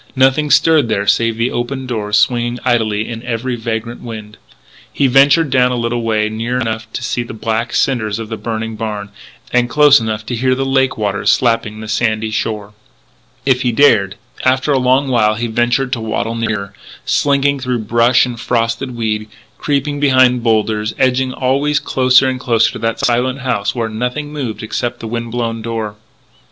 Nothing stirred there save the open doors swinging idly in every vagrant wind. He ventured down a little way near enough to see the black cinders of the burned barn, and close enough to hear the lake waters slapping the sandy shore. If he dared And after a long while he ventured to waddle nearer, slinking through brush and frosted weed, creeping behind boulders, edging always closer and closer to that silent house where nothing moved except the wind blown door.